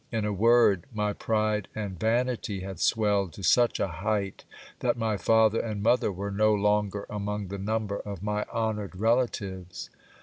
In a word, my pride and vanity had swelled to such a height, that my father and mother were no longer among the number of my honoured relatives.